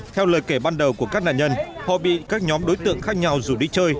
theo lời kể ban đầu của các nạn nhân họ bị các nhóm đối tượng khác nhau rủ đi chơi